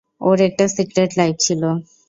ওর একটা secret life ছিল।